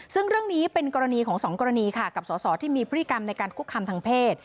ซึ่งเรื่องนี้เป็นกรณีของสองกรณีค่ะกับสสที่มีพฤติกรรมในการคุกคำทางเพศ